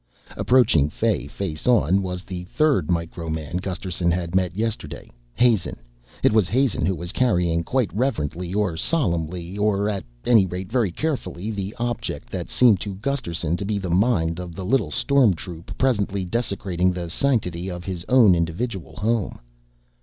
Approaching Fay face on was the third Micro man Gusterson had met yesterday Hazen. It was Hazen who was carrying quite reverently or solemnly or at any rate very carefully the object that seemed to Gusterson to be the mind of the little storm troop presently desecrating the sanctity of his own individual home.